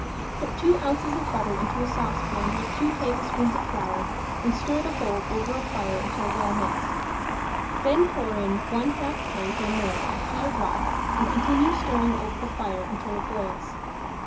Put two ounces of butter into a saucepan with two tablespoons of flour and stir the whole over a fire until well mixed. Then pour in one half pint or more of clear broth and continue stirring over the fire until it boils.